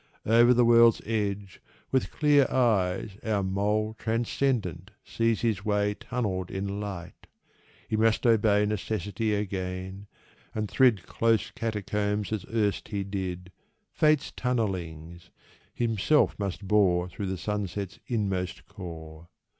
Over the world's edge with clear eyes Our mole transcendent sees his way Tunnelled in light: he must obey Necessity again and thrid Close catacombs as erst he did, Fate's tunnellings, himself must bore Through the sunset's inmost core.